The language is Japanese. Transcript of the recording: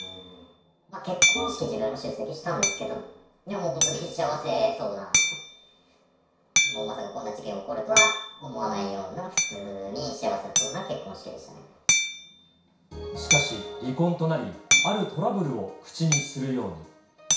結婚式、自分も出席したんですけど、もう本当に幸せそうな、もうまさかこんな事件起こるとは思わないような、普通に幸せそうしかし、離婚となり、あるトラブルを口にするように。